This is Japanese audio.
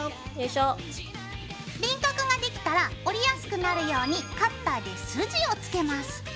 輪郭ができたら折りやすくなるようにカッターで筋をつけます。